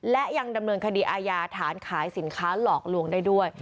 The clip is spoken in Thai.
และยังดำเนินคดีอาญาฐานขายสินค้าหลอกลวงได้ด้วย